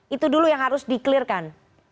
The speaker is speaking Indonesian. itu dulu yang harus dikelirkan